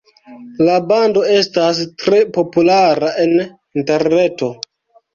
La bando estas tre populara en interreto.